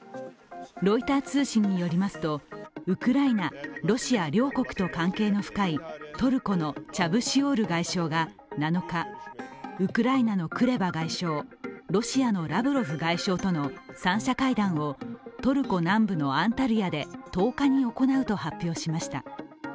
ロイター通信によりますとウクライナ、ロシア両国と関係の深いトルコのチャブシオール外相が７日ウクライナのクレバ外相、ロシアのラブロフ外相との３者会談をトルコ南部のアンタルヤで１０日に行うと発表しました。